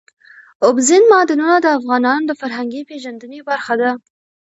اوبزین معدنونه د افغانانو د فرهنګي پیژندنې برخه ده.